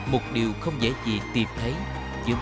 một điều không dễ gì tìm thấy giữa bộn bề phố thị quân